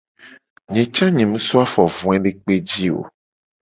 Nye ca nye mu so afo voedekpe ji o.